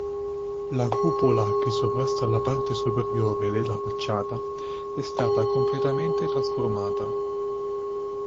La cupola che sovrasta la parte superiore della facciata è stata completamente trasformata.